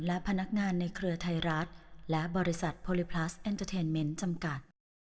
และพนักงานในเครือไทยรัฐและบริษัทโพลิพลัสเอ็นเตอร์เทนเมนต์จำกัด